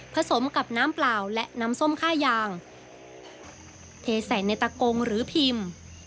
สมกับน้ำเปล่าและน้ำส้มค่ายางเทใส่ในตะโกงหรือพิมพ์